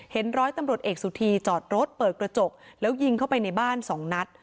ร้อยตำรวจเอกสุธีจอดรถเปิดกระจกแล้วยิงเข้าไปในบ้านสองนัด